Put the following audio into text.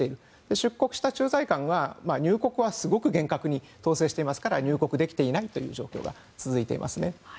出国した駐在官は入国は厳格に統制していますから入国できていない状況が続いています。